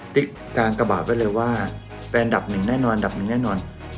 กางกระบาดไว้เลยว่าเป็นอันดับหนึ่งแน่นอนอันดับหนึ่งแน่นอน